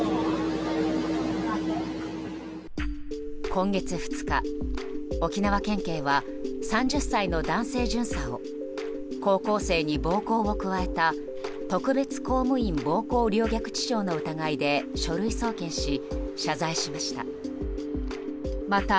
今月２日、沖縄県警は３０歳の男性巡査を高校生に暴行を加えた特別公務員暴行陵虐致傷の疑いで書類送検し、謝罪しました。